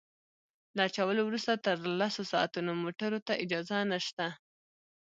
له اچولو وروسته تر لسو ساعتونو موټرو ته اجازه نشته